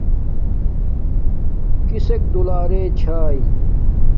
کسک دولرے چھاݵ